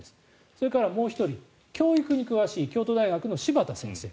それからもう１人教育に詳しい京都大学の柴田先生。